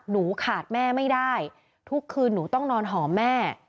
ขาดแม่ไม่ได้ทุกคืนหนูต้องนอนหอมแม่